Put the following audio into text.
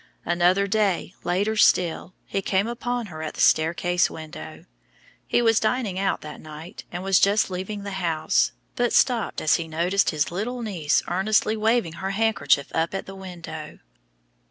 Another day, later still, he came upon her at the staircase window. He was dining out that night, and was just leaving the house, but stopped as he noticed his little niece earnestly waving her handkerchief up at the window.